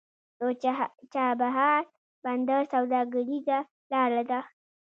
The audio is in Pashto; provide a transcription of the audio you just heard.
د چابهار بندر سوداګریزه لاره ده